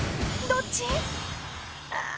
どっち？